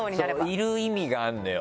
いる意味があるのよ